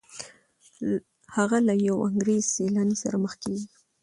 هغه له یو انګریز سیلاني سره مخ کیږي.